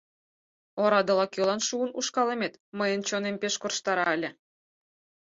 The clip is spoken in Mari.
Орадыла кӧлан шуын ушкалымет мыйын чонем пеш корштара ыле.